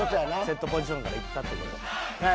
セットポジションからいったって事は。